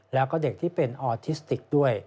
แล้วก็เด็กที่เป็นออทิสติกด้วย